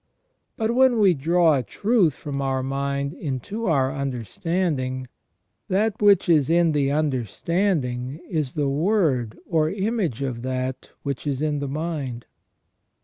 But when we draw a truth from our mind into our understanding, that which is in the understanding is the word or image of that which is in the mind.